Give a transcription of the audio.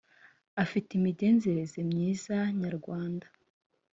afite imigenzereze myiza nyarwanda .